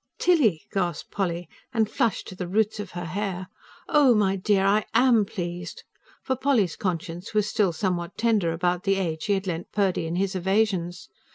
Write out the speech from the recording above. "Tilly!" gasped Polly, and flushed to the roots of her hair. "Oh, my dear, I AM pleased!" For Polly's conscience was still somewhat tender about the aid she had lent Purdy in his evasions.